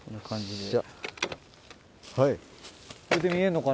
はい。